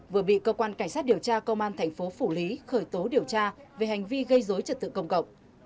vừa bị cơ quan cảnh sát điều tra công an thành phố phủ lý khởi tố điều tra về hành vi gây dối trật tự công cộng